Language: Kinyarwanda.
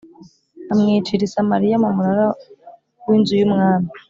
amwicira i Samariya mu munara w inzu y umwami